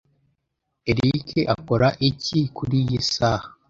Eric akora iki kuriyi saha?